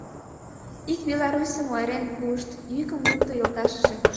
— Ик «Беларусьым» ойырен пуышт, — йӱкым лукто йолташыже.